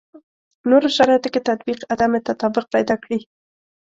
نورو شرایطو کې تطبیق عدم تطابق پیدا کړي.